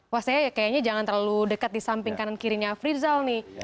wah saya kayaknya jangan terlalu dekat di samping kanan kirinya afrizal nih